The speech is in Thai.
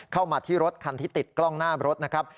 เข้ามาที่รถคันที่ติดกล้องหน้ารถนะครับ